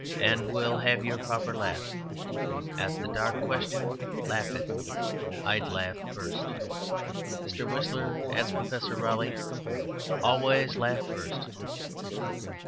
and will have your proper laugh At the dark question; laugh it! I'd laugh first.' "Mr. Whistler," adds Professor Raleigh, "always laughed first."